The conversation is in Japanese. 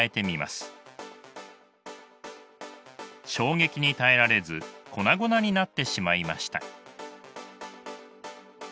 衝撃に耐えられず粉々になってしまいました。